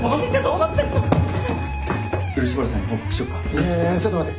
いやいやちょっと待って。